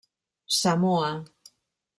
Samoa.